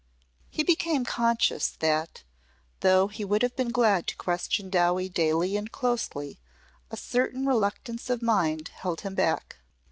He became conscious that, though he would have been glad to question Dowie daily and closely, a certain reluctance of mind held him back.